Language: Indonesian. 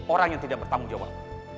orang yang tidak bertanggung jawab